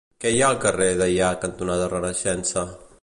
Què hi ha al carrer Deià cantonada Renaixença?